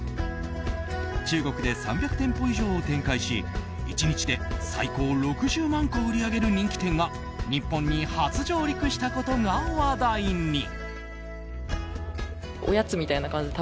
中国で３００店舗以上を展開し１日で最高６０万個を売り上げる人気店が日本に初上陸したことが話題に。